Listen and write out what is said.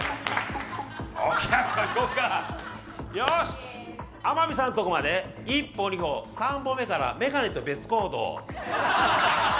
よし、天海さんとこまで一歩二歩、３歩目から眼鏡と別行動。